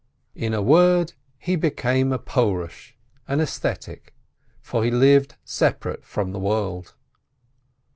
In a word, he became a Porush, for he lived separate from the world.